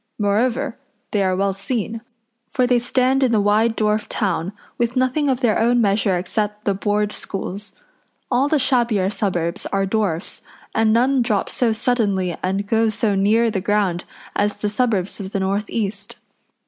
Moreover, they are well seen, for they stand in the wide dwarf town, with nothing of their own measure except the Board Schools. All the shabbier suburbs are dwarfs, and none drop so suddenly and go so near the ground as the suburbs of the north east.